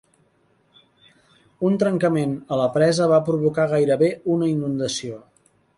Un trencament a la presa va provocar gairebé una inundació.